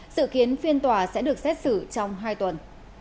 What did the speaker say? sự kiến phiên tòa sẽ được xét xử trong hai tuần